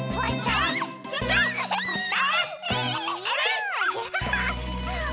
あれ？